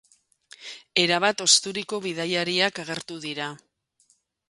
Erabat hozturiko bidaiariak agertu dira.